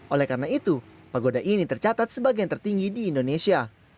oleh karena itu pagoda ini tercatat sebagai yang tertinggi di indonesia